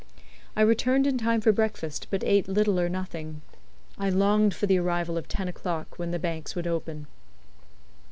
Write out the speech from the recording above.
I returned in time for breakfast, but ate little or nothing. I longed for the arrival of ten o'clock, when the banks would open.